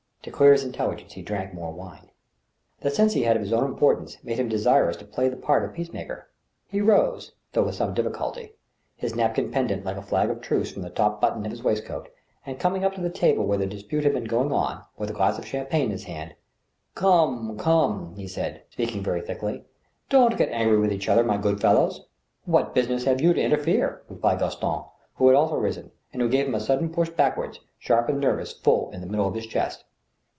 To clear his intelligence, he drank more wine. The sense he had of his own importance made him desirous to play the part of peace maker. He rose, though with some difficulty, his napkin pendent, like a flag of truce, from the top button of his waistcoat, and, coming up to the table where the dispute had been going on, with a glass of champagne in his hand —" Come, come," he said, speaking very thickly, " don't get angry with each other, my good fellows." " What business have you to interfere ?" replied Gaston, who had also risen, and who gave him a sudden push backward, sharp and nervous, full in the middle of his chest.